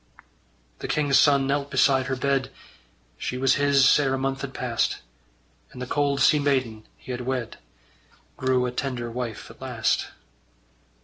The king's son knelt beside her bed: She was his ere a month had passed; And the cold sea maiden he had wed Grew a tender wife at last.